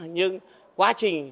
nhưng quá trình